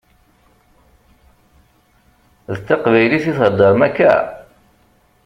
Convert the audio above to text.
D taqbaylit i theddṛem akka?